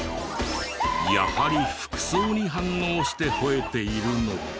やはり服装に反応して吠えているのか？